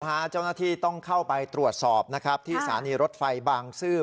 พาเจ้าหน้าที่ต้องเข้าไปตรวจสอบที่ศาลีรถไฟบางซื่อ